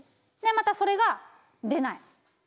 またそれが出ない。